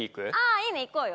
いいね行こうよ。